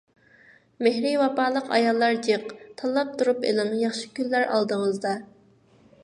مېھرى ۋاپالىق ئاياللار جىق. تاللاپ تۇرۇپ ئېلىڭ! ياخشى كۈنلەر ئالدىڭىزدا.